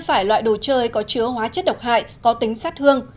phải loại đồ chơi có chứa hóa chất độc hại có tính sát thương